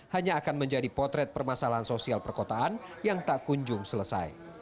hanya akan menjadi potret permasalahan sosial perkotaan yang tak kunjung selesai